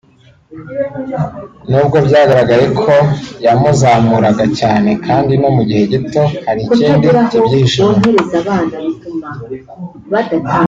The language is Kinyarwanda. n’ubwo byagaragaye ko yamuzamuraga cyane kandi mu gihe gito hari ikindi kibyihishe inyuma